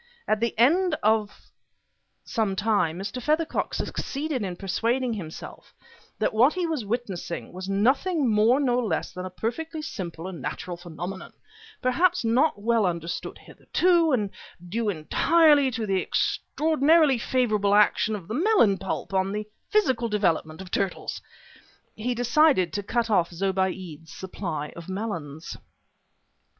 At the end of some time Mr. Feathercock succeeded in persuading himself that what he was witnessing was nothing more nor less than a perfectly simple and natural phenomenon, perhaps not well understood hitherto, and due entirely to the extraordinarily favorable action of melon pulp on the physical development of turtles. He decided to cut off Zobéide's supply of melons.